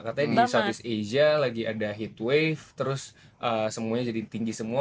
katanya di southeast asia lagi ada heat wave terus semuanya jadi tinggi semua